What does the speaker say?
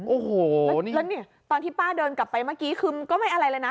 โอ้โหแล้วนี่ตอนที่ป้าเดินกลับไปเมื่อกี้คือก็ไม่อะไรเลยนะ